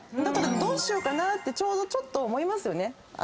だからどうしようかなってちょうどちょっと思いますよね。